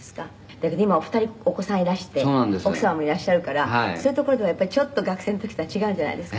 「だけど今お二人お子さんいらして奥様もいらっしゃるからそういうところではやっぱりちょっと学生の時とは違うんじゃないですか？」